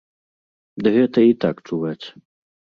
Ды гэта і так чуваць.